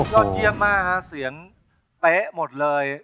ยอดเยี่ยมมากฮะเสียงเป๊ะหมดเลย